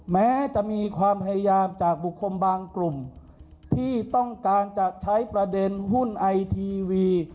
แม้จะมีความพยายามจากบุคคลบางกลุ่มที่ต้องการจะใช้ประเด็นหุ้นไอทีวี